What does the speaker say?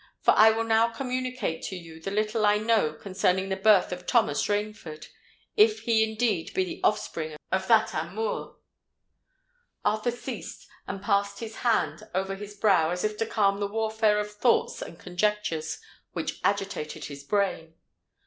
For I will now communicate to you the little I know concerning the birth of Thomas Rainford—if he indeed be the offspring of that amour——" Arthur ceased, and passed his hand over his brow as if to calm the warfare of thoughts and conjectures which agitated his brain.